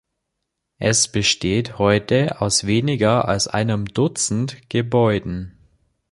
Es besteht heute aus weniger als einem Dutzend Gebäuden.